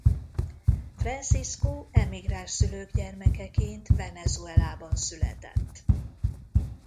Francisco emigráns szülők gyermekeként Venezuelában született.